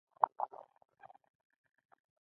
پلار یې په پوځ کې لوړ پوړی دولتي چارواکی جنرال و.